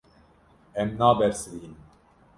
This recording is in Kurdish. Em nabersivînin.